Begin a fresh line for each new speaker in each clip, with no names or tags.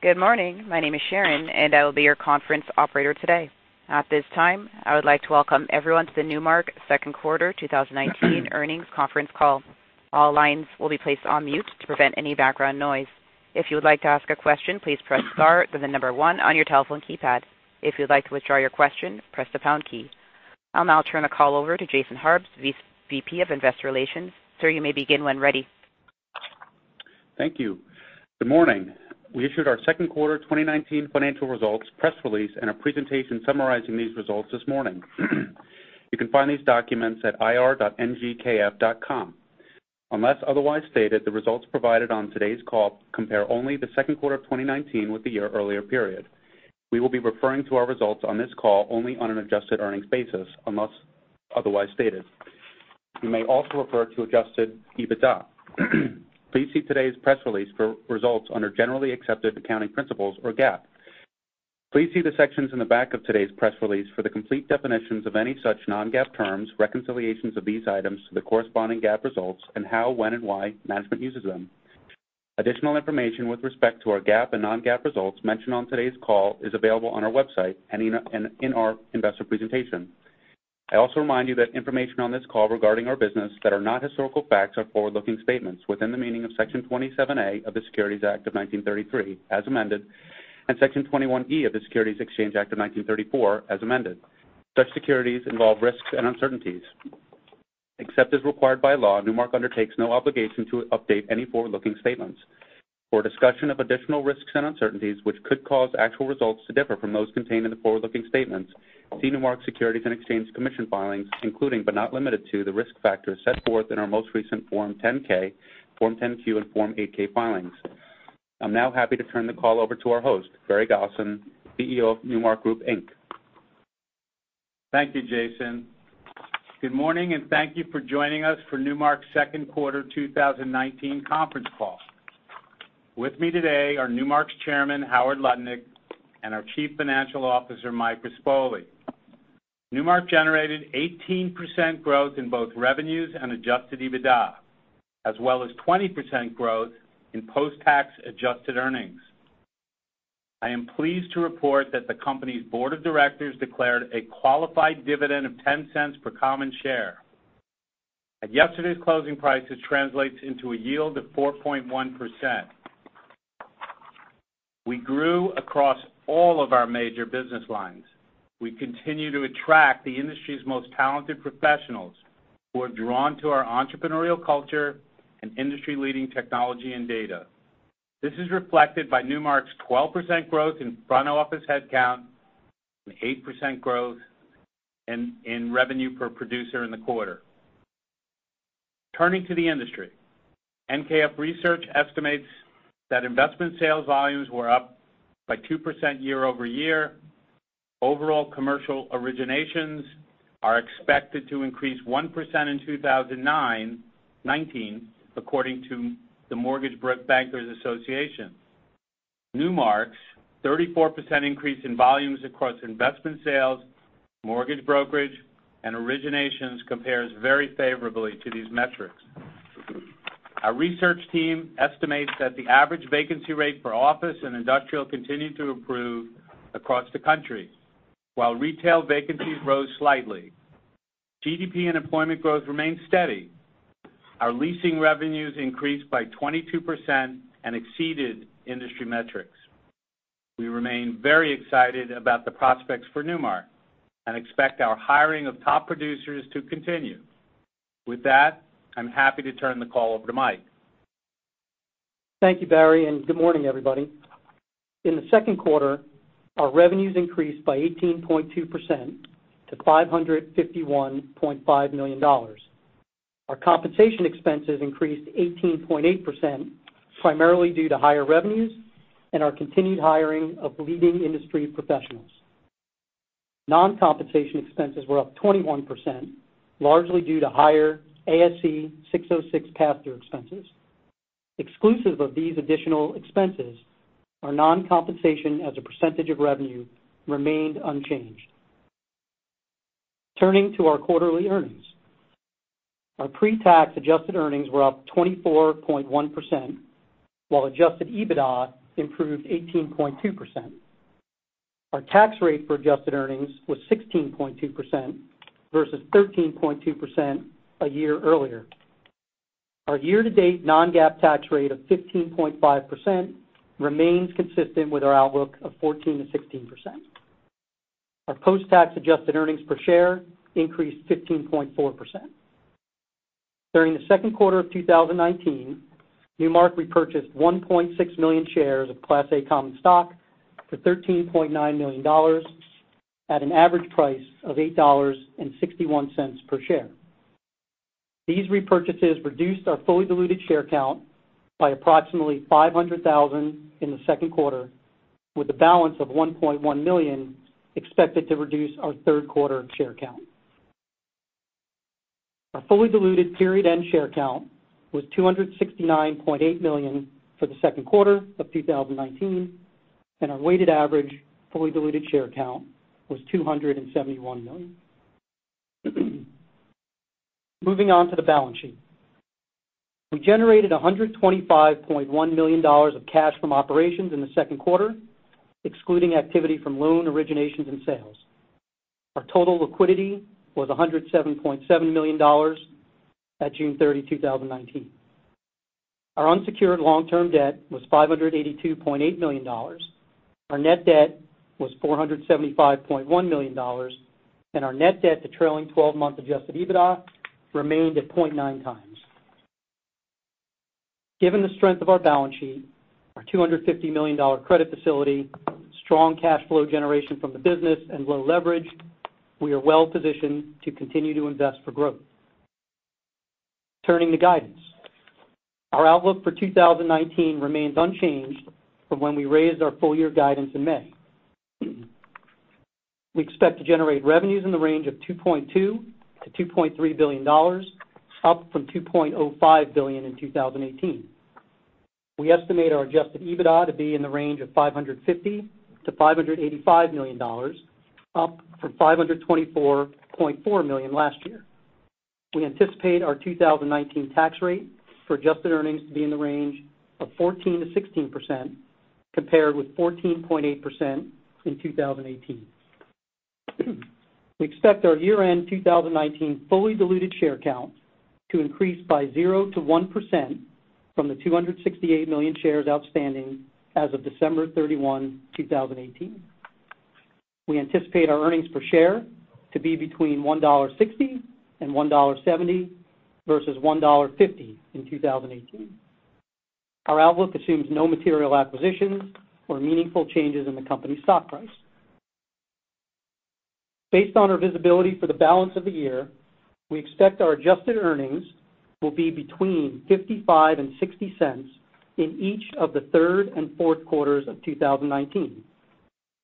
Good morning. My name is Sharon, and I will be your conference operator today. At this time, I would like to welcome everyone to the Newmark second quarter 2019 earnings conference call. All lines will be placed on mute to prevent any background noise. If you would like to ask a question, please press star, then the number one on your telephone keypad. If you'd like to withdraw your question, press the pound key. I'll now turn the call over to Jason McGruder, VP of Investor Relations. Sir, you may begin when ready.
Thank you. Good morning. We issued our second quarter 2019 financial results, press release, and a presentation summarizing these results this morning. You can find these documents at ir.nmrk.com. Unless otherwise stated, the results provided on today's call compare only the second quarter of 2019 with the year earlier period. We will be referring to our results on this call only on an adjusted earnings basis, unless otherwise stated. We may also refer to adjusted EBITDA. Please see today's press release for results under generally accepted accounting principles or GAAP. Please see the sections in the back of today's press release for the complete definitions of any such non-GAAP terms, reconciliations of these items to the corresponding GAAP results, and how, when, and why management uses them. Additional information with respect to our GAAP and non-GAAP results mentioned on today's call is available on our website and in our investor presentation. I also remind you that information on this call regarding our business that are not historical facts are forward-looking statements within the meaning of Section 27A of the Securities Act of 1933, as amended, and Section 21E of the Securities Exchange Act of 1934, as amended. Such securities involve risks and uncertainties. Except as required by law, Newmark undertakes no obligation to update any forward-looking statements. For a discussion of additional risks and uncertainties which could cause actual results to differ from those contained in the forward-looking statements, see Newmark Securities and Exchange Commission filings, including, but not limited to the risk factors set forth in our most recent Form 10-K, Form 10-Q, and Form 8-K filings. I'm now happy to turn the call over to our host, Barry Gosin, CEO of Newmark Group, Inc.
Thank you, Jason. Good morning, and thank you for joining us for Newmark's second quarter 2019 conference call. With me today are Newmark's Chairman, Howard Lutnick, and our Chief Financial Officer, Michael Rispoli. Newmark generated 18% growth in both revenues and adjusted EBITDA, as well as 20% growth in post-tax adjusted earnings. I am pleased to report that the company's board of directors declared a qualified dividend of $0.10 per common share. At yesterday's closing price, this translates into a yield of 4.1%. We grew across all of our major business lines. We continue to attract the industry's most talented professionals who are drawn to our entrepreneurial culture and industry-leading technology and data. This is reflected by Newmark's 12% growth in front office headcount and 8% growth in revenue per producer in the quarter. Turning to the industry. NKF Research estimates that investment sales volumes were up by 2% year-over-year. Overall commercial originations are expected to increase 1% in 2019, according to the Mortgage Bankers Association. Newmark's 34% increase in volumes across investment sales, mortgage brokerage, and originations compares very favorably to these metrics. Our research team estimates that the average vacancy rate for office and industrial continued to improve across the country, while retail vacancies rose slightly. GDP and employment growth remained steady. Our leasing revenues increased by 22% and exceeded industry metrics. We remain very excited about the prospects for Newmark and expect our hiring of top producers to continue. With that, I'm happy to turn the call over to Mike.
Thank you, Barry. Good morning, everybody. In the second quarter, our revenues increased by 18.2% to $551.5 million. Our compensation expenses increased 18.8%, primarily due to higher revenues and our continued hiring of leading industry professionals. Non-compensation expenses were up 21%, largely due to higher ASC 606 pass-through expenses. Exclusive of these additional expenses, our non-compensation as a percentage of revenue remained unchanged. Turning to our quarterly earnings. Our pre-tax adjusted earnings were up 24.1%, while adjusted EBITDA improved 18.2%. Our tax rate for adjusted earnings was 16.2% versus 13.2% a year earlier. Our year-to-date non-GAAP tax rate of 15.5% remains consistent with our outlook of 14%-16%. Our post-tax adjusted earnings per share increased 15.4%. During the second quarter of 2019, Newmark repurchased 1.6 million shares of Class A common stock for $13.9 million at an average price of $8.61 per share. These repurchases reduced our fully diluted share count by approximately 500,000 in the second quarter, with a balance of 1.1 million expected to reduce our third quarter share count. Our fully diluted period end share count was 269.8 million for the second quarter of 2019, and our weighted average fully diluted share count was 271 million. Moving on to the balance sheet. We generated $125.1 million of cash from operations in the second quarter, excluding activity from loan originations and sales. Our total liquidity was $107.7 million at June 30, 2019. Our unsecured long-term debt was $582.8 million. Our net debt was $475.1 million, and our net debt to trailing 12-month adjusted EBITDA remained at 0.9 times. Given the strength of our balance sheet, our $250 million credit facility, strong cash flow generation from the business, and low leverage, we are well-positioned to continue to invest for growth. Turning to guidance. Our outlook for 2019 remains unchanged from when we raised our full-year guidance in May. We expect to generate revenues in the range of $2.2 billion-$2.3 billion, up from $2.05 billion in 2018. We estimate our adjusted EBITDA to be in the range of $550 million-$585 million, up from $524.4 million last year. We anticipate our 2019 tax rate for adjusted earnings to be in the range of 14%-16%, compared with 14.8% in 2018. We expect our year-end 2019 fully diluted share count to increase by 0%-1% from the 268 million shares outstanding as of December 31, 2018. We anticipate our earnings per share to be between $1.60 and $1.70 versus $1.50 in 2018. Our outlook assumes no material acquisitions or meaningful changes in the company's stock price. Based on our visibility for the balance of the year, we expect our adjusted earnings will be between $0.55 and $0.60 in each of the third and fourth quarters of 2019.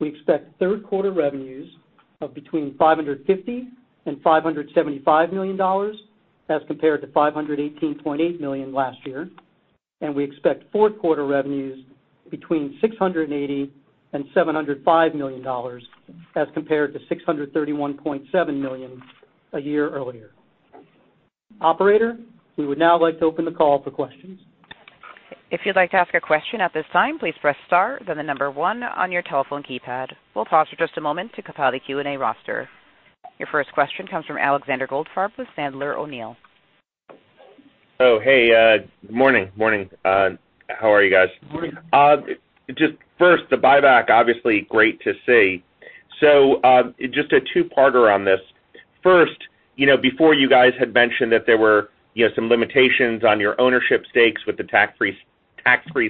We expect third quarter revenues of between $550 million and $575 million as compared to $518.8 million last year. We expect fourth quarter revenues between $680 million and $705 million as compared to $631.7 million a year earlier. Operator, we would now like to open the call for questions.
If you'd like to ask a question at this time, please press star, then the number one on your telephone keypad. We'll pause for just a moment to compile the Q&A roster. Your first question comes from Alexander Goldfarb with Sandler O'Neill.
Oh, hey. Morning. How are you guys?
Morning.
Just first, the buyback, obviously, great to see. Just a two-parter on this. First, before you guys had mentioned that there were some limitations on your ownership stakes with the tax-free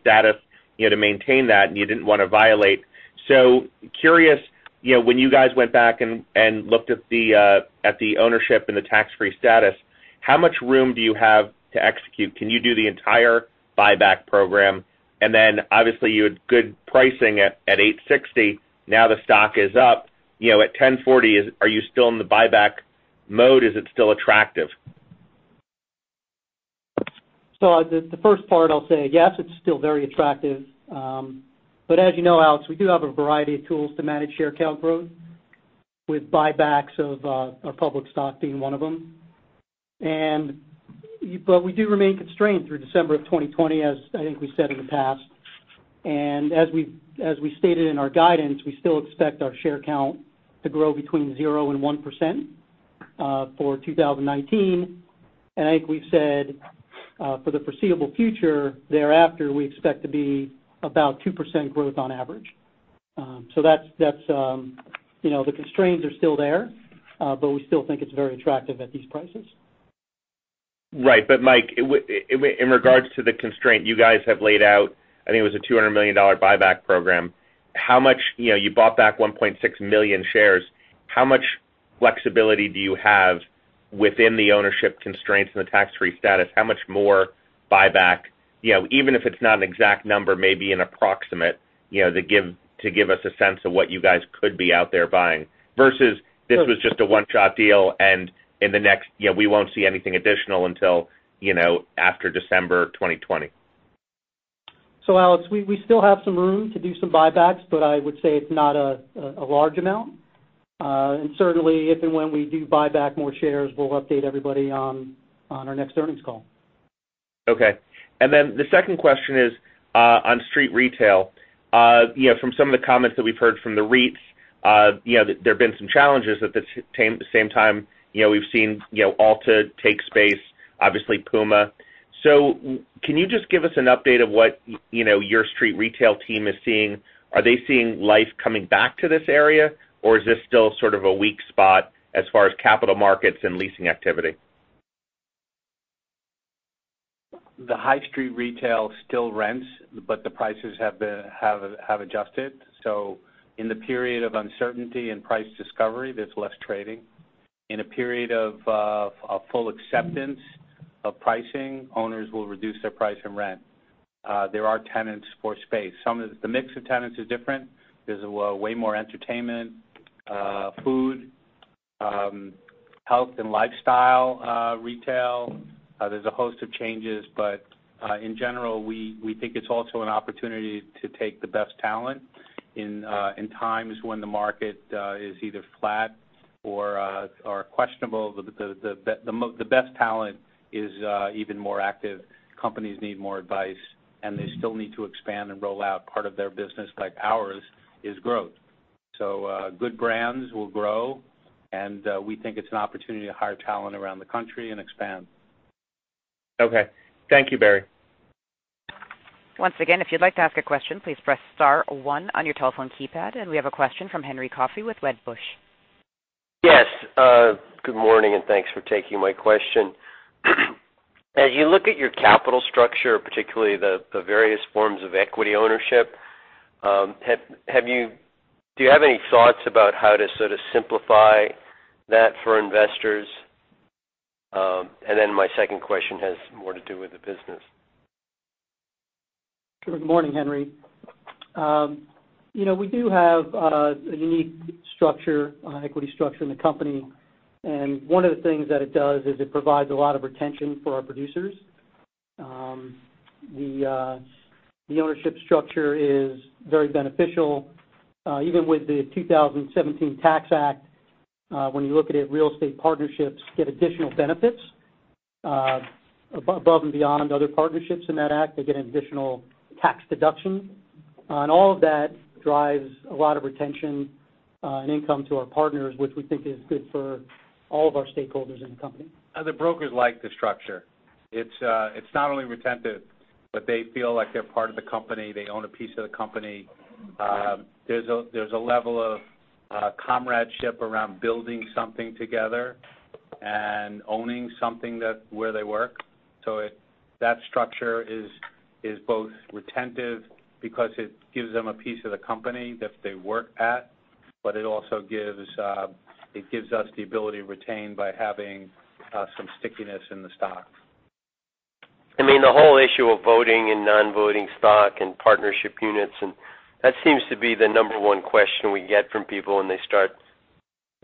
status, to maintain that, and you didn't want to violate. Curious, when you guys went back and looked at the ownership and the tax-free status, how much room do you have to execute? Can you do the entire buyback program? Obviously you had good pricing at $860. Now the stock is up. At $1,040, are you still in the buyback mode? Is it still attractive?
The first part I'll say yes, it's still very attractive. As you know, Alex, we do have a variety of tools to manage share count growth, with buybacks of our public stock being one of them. We do remain constrained through December of 2020, as I think we said in the past. As we stated in our guidance, we still expect our share count to grow between 0% and 1% for 2019. I think we've said, for the foreseeable future thereafter, we expect to be about 2% growth on average. The constraints are still there, but we still think it's very attractive at these prices.
Right. Mike, in regards to the constraint, you guys have laid out, I think it was a $200 million buyback program. You bought back 1.6 million shares. How much flexibility do you have within the ownership constraints and the tax-free status? How much more buyback, even if it's not an exact number, maybe an approximate, to give us a sense of what you guys could be out there buying. Versus this was just a one-shot deal, and in the next year, we won't see anything additional until after December 2020.
Alex, we still have some room to do some buybacks, but I would say it's not a large amount. Certainly, if and when we do buyback more shares, we'll update everybody on our next earnings call.
Okay. The second question is on street retail. From some of the comments that we've heard from the REITs, there have been some challenges. At the same time we've seen Ulta take space, obviously Puma. Can you just give us an update of what your street retail team is seeing? Are they seeing life coming back to this area, or is this still sort of a weak spot as far as capital markets and leasing activity?
The high street retail still rents, but the prices have adjusted. In the period of uncertainty and price discovery, there's less trading. In a period of full acceptance of pricing, owners will reduce their price and rent. There are tenants for space. The mix of tenants is different. There's way more entertainment, food, health and lifestyle retail. There's a host of changes, but in general, we think it's also an opportunity to take the best talent in times when the market is either flat or questionable. The best talent is even more active. Companies need more advice, and they still need to expand and roll out part of their business like ours is growth. Good brands will grow, and we think it's an opportunity to hire talent around the country and expand.
Okay. Thank you, Barry.
Once again, if you'd like to ask a question, please press star one on your telephone keypad. We have a question from Henry Coffey with Wedbush.
Yes. Good morning. Thanks for taking my question. As you look at your capital structure, particularly the various forms of equity ownership, do you have any thoughts about how to sort of simplify that for investors? My second question has more to do with the business.
Good morning, Henry. We do have a unique equity structure in the company. One of the things that it does is it provides a lot of retention for our producers. The ownership structure is very beneficial. Even with the 2017 Tax Act, when you look at it, real estate partnerships get additional benefits above and beyond other partnerships in that Act. They get an additional tax deduction. All of that drives a lot of retention and income to our partners, which we think is good for all of our stakeholders in the company.
The brokers like the structure. It's not only retentive, but they feel like they're part of the company. They own a piece of the company. There's a level of comradeship around building something together and owning something where they work. That structure is both retentive because it gives them a piece of the company that they work at, but it also gives us the ability to retain by having some stickiness in the stock.
I mean, the whole issue of voting and non-voting stock and partnership units, and that seems to be the number one question we get from people when they start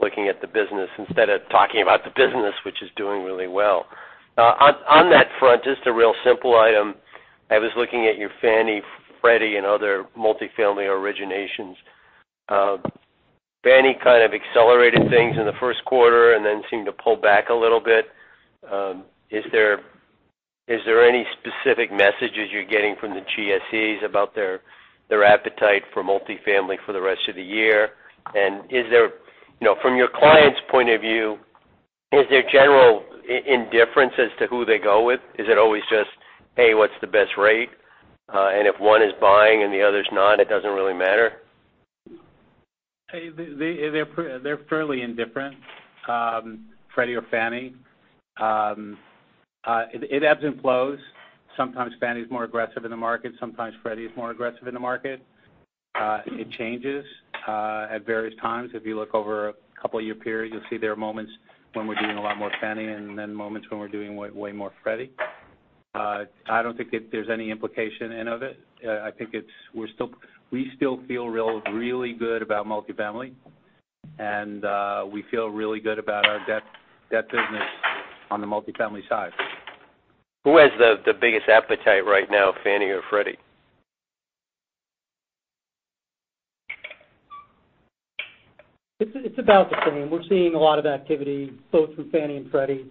looking at the business instead of talking about the business, which is doing really well. On that front, just a real simple item. I was looking at your Fannie, Freddie, and other multifamily originations. Fannie kind of accelerated things in the first quarter and then seemed to pull back a little bit. Is there any specific messages you're getting from the GSEs about their appetite for multifamily for the rest of the year? From your clients' point of view, is there general indifference as to who they go with? Is it always just, hey, what's the best rate? If one is buying and the other's not, it doesn't really matter?
They're fairly indifferent, Freddie or Fannie. It ebbs and flows. Sometimes Fannie's more aggressive in the market. Sometimes Freddie is more aggressive in the market. It changes at various times. If you look over a couple of year periods, you'll see there are moments when we're doing a lot more Fannie and then moments when we're doing way more Freddie. I don't think that there's any implication in any of it. We still feel really good about multifamily, and we feel really good about our debt business on the multifamily side.
Who has the biggest appetite right now, Fannie or Freddie?
It's about the same. We're seeing a lot of activity both from Fannie and Freddie.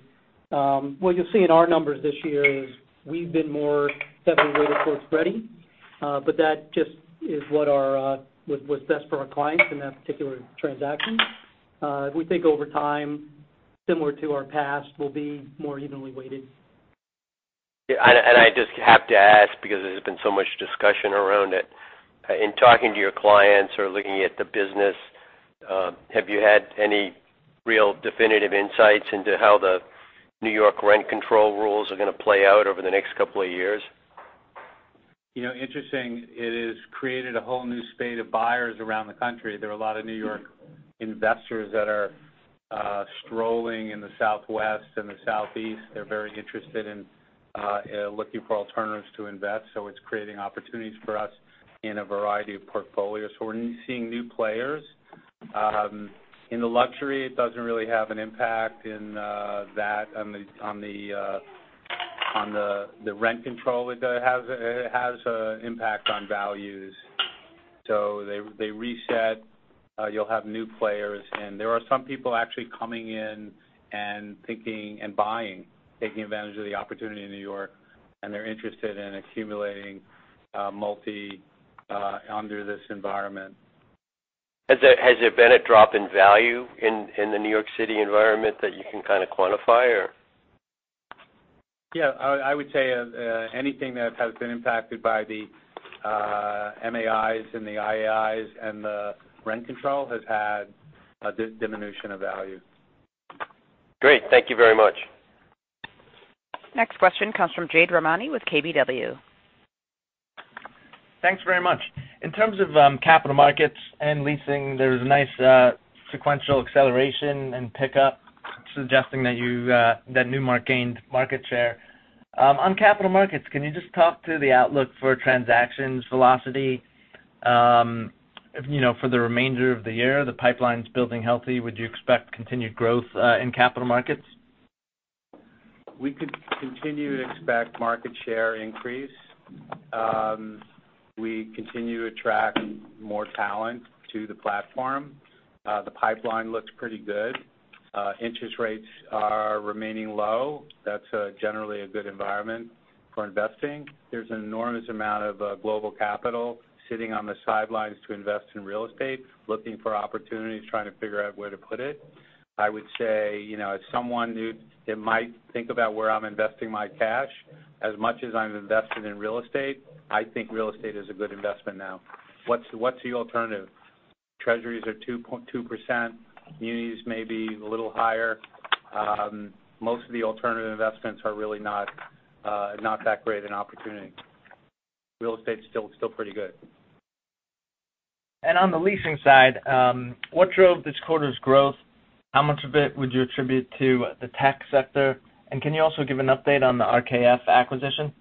What you'll see in our numbers this year is we've been more heavily weighted towards Freddie, but that just is what's best for our clients in that particular transaction. We think over time, similar to our past, we'll be more evenly weighted.
I just have to ask because there's been so much discussion around it. In talking to your clients or looking at the business, have you had any real definitive insights into how the New York rent control rules are going to play out over the next couple of years?
Interesting. It has created a whole new spate of buyers around the country. There are a lot of New York investors that are strolling in the Southwest and the Southeast. They're very interested in looking for alternatives to invest. It's creating opportunities for us in a variety of portfolios. We're seeing new players. In the luxury, it doesn't really have an impact in that, on the rent control. It has an impact on values. They reset. You'll have new players. There are some people actually coming in and buying, taking advantage of the opportunity in New York, and they're interested in accumulating multi under this environment.
Has there been a drop in value in the New York City environment that you can kind of quantify?
Yeah. I would say anything that has been impacted by the MCIs and the IAIs and the rent control has had a diminution of value.
Great. Thank you very much.
Next question comes from Jade Rahmani with KBW.
Thanks very much. In terms of capital markets and leasing, there's a nice sequential acceleration and pickup suggesting that Newmark gained market share. On capital markets, can you just talk to the outlook for transactions velocity for the remainder of the year? The pipeline's building healthy. Would you expect continued growth in capital markets?
We could continue to expect market share increase. We continue to attract more talent to the platform. The pipeline looks pretty good. Interest rates are remaining low. That's generally a good environment for investing. There's an enormous amount of global capital sitting on the sidelines to invest in real estate, looking for opportunities, trying to figure out where to put it. I would say, as someone who might think about where I'm investing my cash, as much as I'm invested in real estate, I think real estate is a good investment now. What's the alternative? Treasuries are 2%. Munis may be a little higher. Most of the alternative investments are really not that great an opportunity. Real estate's still pretty good.
On the leasing side, what drove this quarter's growth? How much of it would you attribute to the tech sector? Can you also give an update on the RKF acquisition?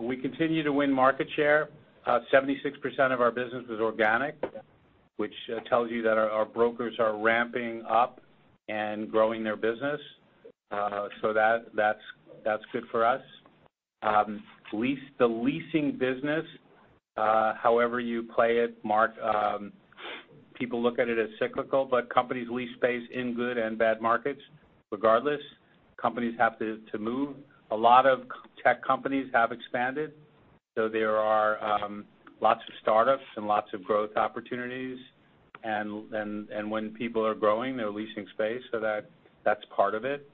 We continue to win market share. 76% of our business was organic, which tells you that our brokers are ramping up and growing their business. That's good for us. The leasing business, however you play it, Mark, people look at it as cyclical. Companies lease space in good and bad markets. Regardless, companies have to move. A lot of tech companies have expanded. There are lots of startups and lots of growth opportunities. When people are growing, they're leasing space. That's part of it.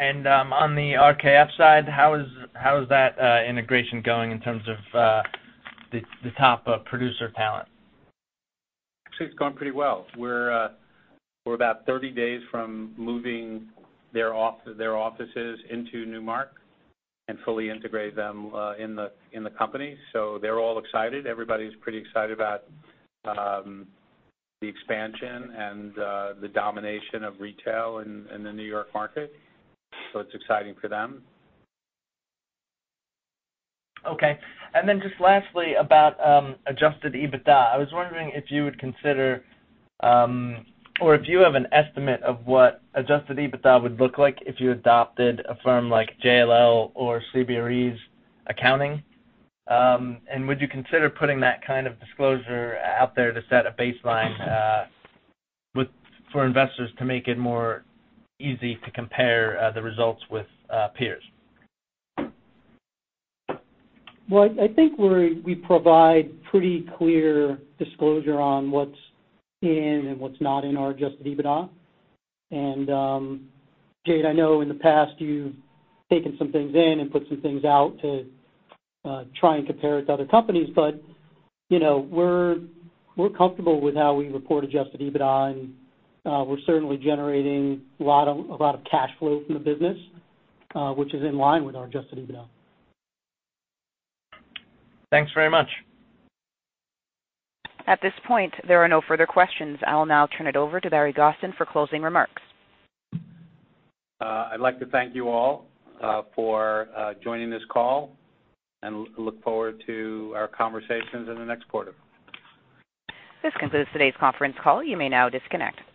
On the RKF side, how is that integration going in terms of the top producer talent?
Actually, it's going pretty well. We're about 30 days from moving their offices into Newmark and fully integrate them in the company. They're all excited. Everybody's pretty excited about the expansion and the domination of retail in the New York market. It's exciting for them.
Okay. Just lastly, about adjusted EBITDA. I was wondering if you would consider, or if you have an estimate of what adjusted EBITDA would look like if you adopted a firm like JLL or CBRE's accounting. Would you consider putting that kind of disclosure out there to set a baseline for investors to make it more easy to compare the results with peers?
I think we provide pretty clear disclosure on what's in and what's not in our adjusted EBITDA. Jade, I know in the past you've taken some things in and put some things out to try and compare it to other companies. We're comfortable with how we report adjusted EBITDA, and we're certainly generating a lot of cash flow from the business, which is in line with our adjusted EBITDA.
Thanks very much.
At this point, there are no further questions. I'll now turn it over to Barry Gosin for closing remarks.
I'd like to thank you all for joining this call and look forward to our conversations in the next quarter.
This concludes today's conference call. You may now disconnect.